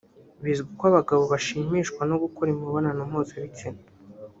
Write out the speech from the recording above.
Bizwi ko abagabo bashimishwa no gukora imibonano mpuzabitsina